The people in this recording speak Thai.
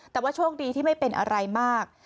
แต่ว่าโชคดีที่ไม่เป็นอะไรมาก